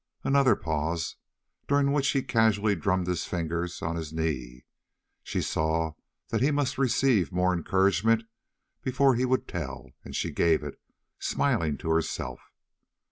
Another pause, during which he casually drummed his fingers on his knee. She saw that he must receive more encouragement before he would tell, and she gave it, smiling to herself.